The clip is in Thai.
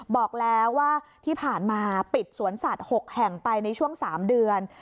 บอกแล้วว่าที่ผ่านมาปิดสวนสัตว์๖แห่งไปในช่วง๓เดือน